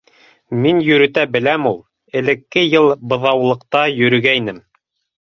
— Мин йөрөтә беләм ул. Элекке йыл Быҙаулыҡта өйрәнгәйнем.